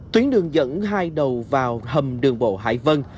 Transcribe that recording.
tuyến đường dẫn hai đầu vào hầm đường bộ hải vân